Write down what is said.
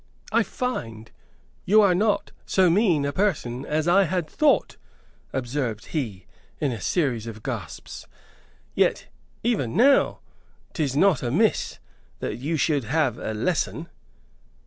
"I find you are not so mean a person as I had thought," observed he, in a series of gasps. "Yet, even now, 'tis not amiss that you should have a lesson."